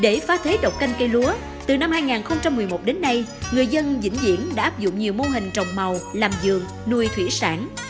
để phá thế độc canh cây lúa từ năm hai nghìn một mươi một đến nay người dân vĩnh diễn đã áp dụng nhiều mô hình trồng màu làm dường nuôi thủy sản